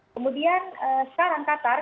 kemudian sekarang qatar